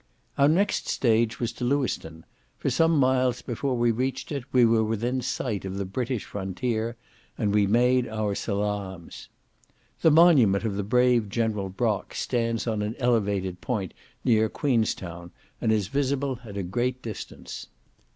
Our next stage was to Lewiston; for some miles before we reached it we were within sight of the British frontier; and we made our salaams. The monument of the brave General Brock stands on an elevated point near Queenstown, and is visible at a great distance.